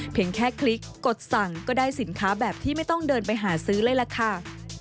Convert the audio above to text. แค่คลิกกดสั่งก็ได้สินค้าแบบที่ไม่ต้องเดินไปหาซื้อเลยล่ะค่ะ